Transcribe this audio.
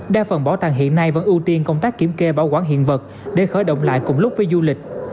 đa phần bảo tàng hiện nay vẫn ưu tiên công tác kiểm kê bảo quản hiện vật để khởi động lại cùng lúc với du lịch